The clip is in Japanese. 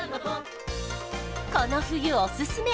この冬おすすめ！